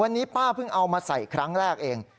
วันนี้ป้าเพิ่งเอามาใส่ครั้งแรกเอง